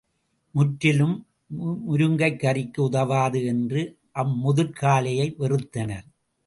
முற்றிய முருங்கை கறிக்கு உதவாது என்று அம்முதிர்க் காளையை வெறுத்தனர்.